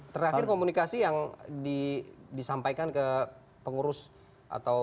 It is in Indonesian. terakhir komunikasi yang disampaikan ke pengurus atau